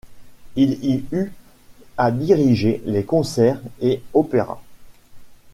Il y eut à diriger les concerts et opéras.